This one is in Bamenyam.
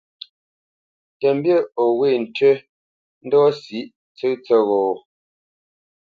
Tə mbî o wê tʉ́ ndɔ́ sǐʼ ntsə́ tsə́ghō?